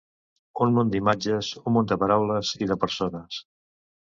Un munt d'imatges, un munt de paraules i de persones.